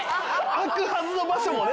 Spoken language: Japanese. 開くはずの場所もね。